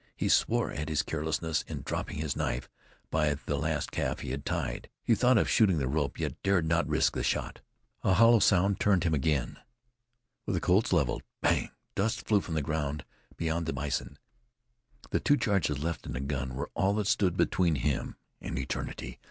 He swore at his carelessness in dropping his knife by the last calf he had tied. He thought of shooting the rope, yet dared not risk the shot. A hollow sound turned him again, with the Colts leveled. Bang! Dust flew from the ground beyond the bison. The two charges left in the gun were all that stood between him and eternity.